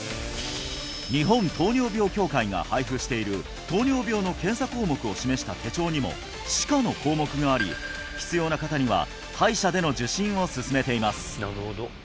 日本糖尿病協会が配布している糖尿病の検査項目を示した手帳にも「歯科」の項目があり必要な方には歯医者での受診を勧めています